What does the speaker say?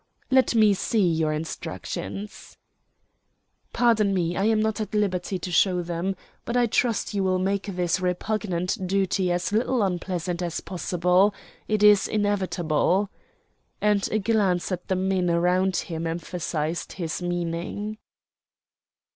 "Let me see your instructions." "Pardon me, I am not at liberty to show them. But I trust you will make this repugnant duty as little unpleasant as possible. It is inevitable," and a glance at the men around him emphasized his meaning.